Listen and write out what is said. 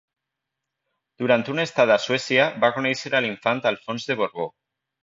Durant una estada a Suècia, va conèixer a l'infant Alfons de Borbó.